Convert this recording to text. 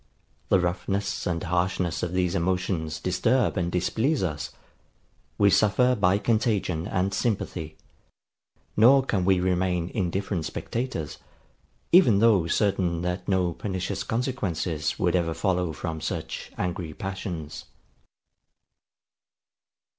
The roughness and harshness of these emotions disturb and displease us: we suffer by contagion and sympathy; nor can we remain indifferent spectators, even though certain that no pernicious consequences would ever follow from such angry passions.